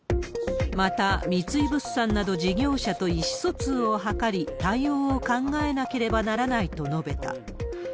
また、三井物産など事業者と意思疎通を図り、対応を考えなければならないと述べた。